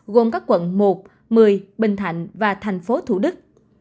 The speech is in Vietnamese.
gồm các quận một một mươi bình thạnh và thành phố thủ đức